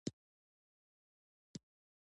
افغانستان د انګورو له پلوه یو متنوع هېواد دی.